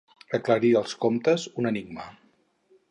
Aclarir els comptes, un enigma.